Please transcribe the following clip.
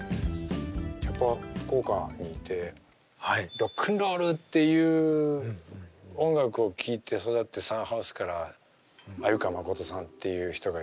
やっぱ福岡にいてロックンロールっていう音楽を聴いて育ってサンハウスから鮎川誠さんっていう人がいて。